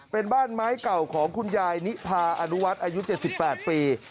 เป็นบ้านไม้เก่าของคุณยายนิพาอนุวัฒน์อายุ๗๘ปี